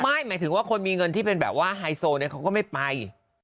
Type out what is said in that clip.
หมายถึงว่าคนมีเงินที่เป็นแบบว่าไฮโซเนี่ยเขาก็ไม่ไป